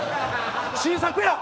新作や！